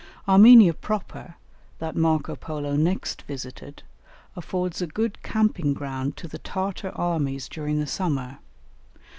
Armenia Proper, that Marco Polo next visited, affords a good camping ground to the Tartar armies during the summer.